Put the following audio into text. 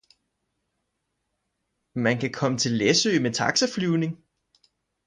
Man kan komme til Læsø med taxaflyvning